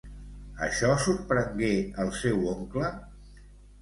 Això sorprengué el seu oncle?